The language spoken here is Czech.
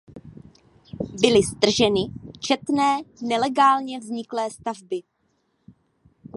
Byly strženy četné nelegálně vzniklé stavby.